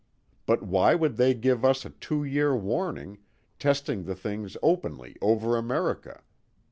But why would they give us a two year warning, testing the things openly over America?